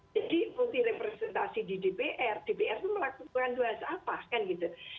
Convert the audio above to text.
jadi fungsi representasi di dpr dpr itu melakukan dua sesuatu kan gitu